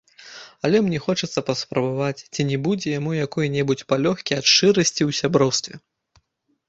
Але мне хочацца паспрабаваць, ці не будзе яму якой-небудзь палёгкі ад шчырасці ў сяброўстве.